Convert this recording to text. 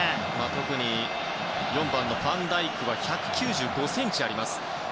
特に４番のファンダイクは１９５ｃｍあります。